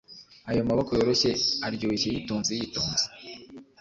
ayo maboko yoroshye, aryoshye yitonze yitonze,